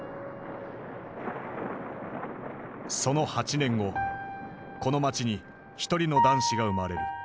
その８年後この街に一人の男子が生まれる。